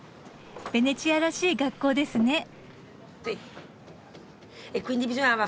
ベネチアらしい学校ですね？